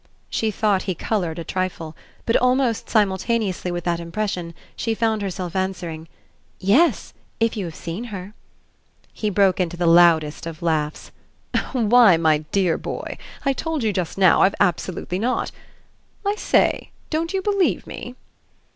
She thought he coloured a trifle; but almost simultaneously with that impression she found herself answering: "Yes if you have seen her." He broke into the loudest of laughs. "Why, my dear boy, I told you just now I've absolutely not. I say, don't you believe me?"